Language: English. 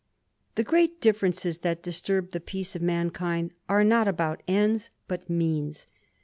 TTHE great differences that disturb the peace of mankind •* are not about ends, but means.